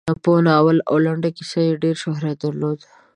په ناول او لنډه کیسه کې یې ډېر شهرت درلود.